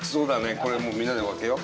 これもうみんなで分けよう。